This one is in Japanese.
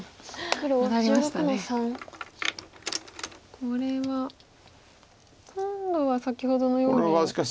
これは今度は先ほどのように。